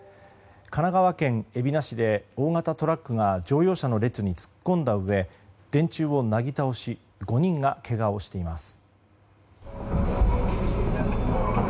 神奈川県海老名市で大型トラックが乗用車の列に突っ込んだうえ電柱をなぎ倒し５人がけがをしています。